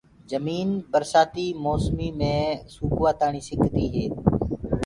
جمين برشآتيٚ موسميٚ مي سوُڪوآ تآڻيٚ سڪدي هي